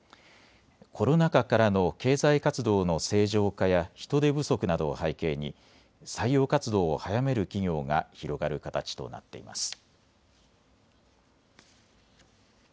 コロナ禍からの経済活動の正常化や人手不足などを背景に採用活動を早める企業が広がる形となっています。